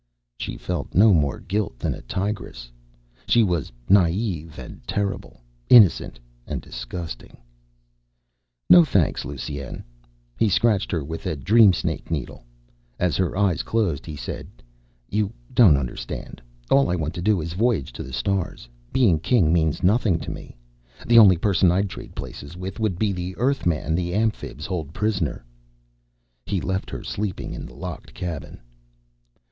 She felt no more guilt than a tigress. She was naive and terrible, innocent and disgusting. "No, thanks, Lusine." He scratched her with the dream snake needle. As her eyes closed he said, "You don't understand. All I want to do is voyage to the stars. Being King means nothing to me. The only person I'd trade places with would be the Earthman the Amphibs hold prisoner." He left her sleeping in the locked cabin.